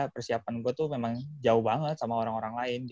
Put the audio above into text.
persiapan gue tuh memang jauh banget sama orang orang lain